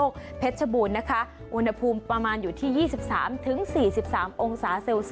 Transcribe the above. ฮัลโหลฮัลโหลฮัลโหล